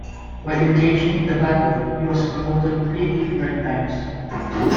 While engaging in the battle, he was promoted three different times.